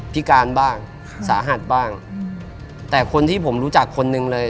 พิการบ้างสาหัสบ้างแต่คนที่ผมรู้จักคนหนึ่งเลย